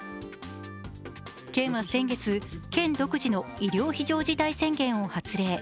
県は先月、県独自の医療非常事態宣言を発令。